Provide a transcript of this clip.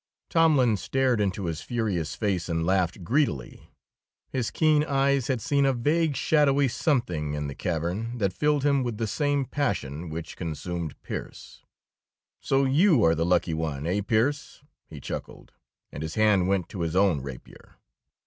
Tomlin stared into his furious face and laughed greedily. His keen eyes had seen a vague, shadowy something in the cavern, that filled him with the same passion which consumed Pearse. "So you are the lucky one, eh, Pearse?" he chuckled, and his hand went to his own rapier.